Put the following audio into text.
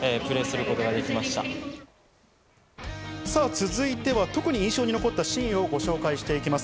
続いては、特に印象に残ったシーンをご紹介していきます。